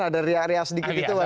ada riak riak sedikit itu pak